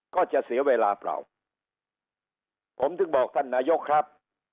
ก็จะเสียเวลาเปล่าผมถึงบอกท่านนายกครับ